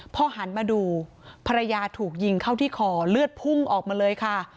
พอหันมาดูภรรยาถูกยิงเข้าที่คอเลือดพุ่งออกมาเลยค่ะ